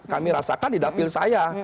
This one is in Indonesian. kami rasakan di dapil saya